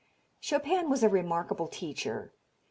Chopin was a remarkable teacher.